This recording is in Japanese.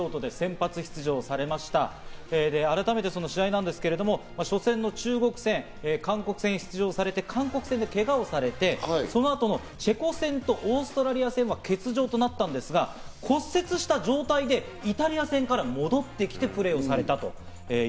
今大会５試合に出場して韓国戦で出場されて、韓国戦でけがをされて、その後のチェコ戦とオーストラリア戦は欠場となったんですが、骨折した状態でイタリア戦から戻ってきてプレイをされた。